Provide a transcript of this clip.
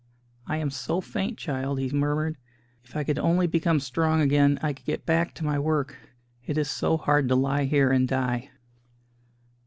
"I am so faint, child," he murmured. "If I could only become strong again I could get back to my work. It is so hard to lie here and die."